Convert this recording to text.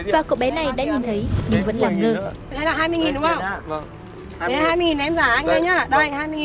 và cậu bé này đã nhìn thấy nhưng vẫn làm ngơ